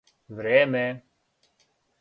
време